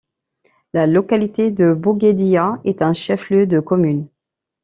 La localité de Boguédia est un chef-lieu de commune.